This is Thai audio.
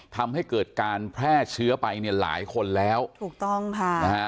ทำให้เกิดการแพร่เชื้อไปเนี่ยหลายคนแล้วถูกต้องค่ะนะฮะ